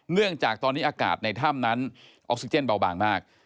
เนื่องจากตอนนี้อากาศในถ้ำนั้นออกซิเจนเบาบางมาก